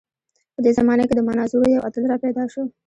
په دې زمانه کې د مناظرو یو اتل راپیدا شو.